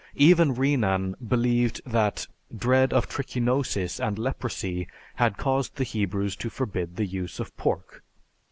Even Renan believed that dread of trichinosis and leprosy had caused the Hebrews to forbid the use of pork.